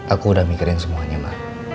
aku udah mikirin semuanya mah